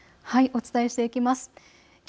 お伝えしていきます。